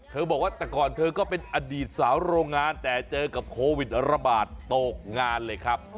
บอกว่าแต่ก่อนเธอก็เป็นอดีตสาวโรงงานแต่เจอกับโควิดระบาดตกงานเลยครับ